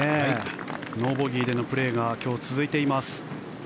ノーボギーでのプレーが今日続いています。